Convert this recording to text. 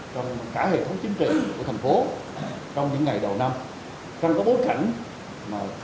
trong cả hệ thống chính trị của thành phố trong những ngày đầu năm trong cái bối cảnh mà